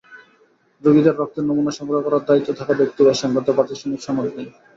রোগীদের রক্তের নমুনা সংগ্রহ করার দায়িত্বে থাকা ব্যক্তির এ-সংক্রান্ত প্রাতিষ্ঠানিক কোনো সনদ নেই।